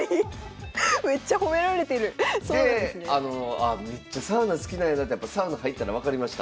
あめっちゃサウナ好きなんやなってやっぱサウナ入ったら分かりました。